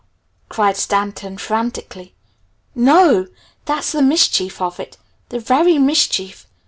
cried Stanton frantically. "N O! That's the mischief of it the very mischief!